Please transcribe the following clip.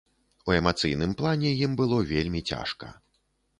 У эмацыйным плане ім было вельмі цяжка.